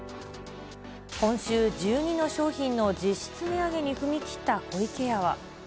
今週、１２の商品の実質値上げに踏み切った湖池屋は。